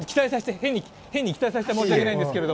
変に期待させて申し訳ないですけど。